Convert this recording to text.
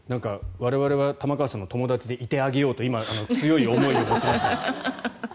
我々は玉川さんの友達でいてあげようと今、強い思いを持ちました。